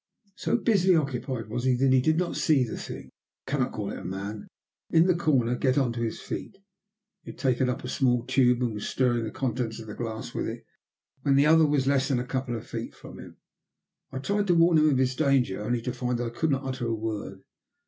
So busily occupied was he, that he did not see the thing, I cannot call it a man, in the corner, get on to his feet. He had taken up a small tube and was stirring the contents of the glass with it, when the other was less than a couple of feet from him. I tried to warn him of his danger, only to find that I could not utter a word.